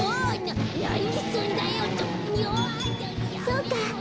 そうか。